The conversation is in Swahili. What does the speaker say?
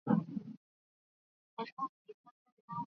Sentensi ziandikwe kwa wingi